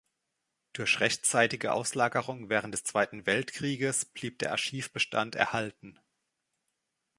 Durch rechtzeitige Auslagerung während des Zweiten Weltkrieges blieb der Archivbestand erhalten.